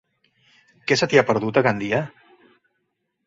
Què se t'hi ha perdut, a Gandia?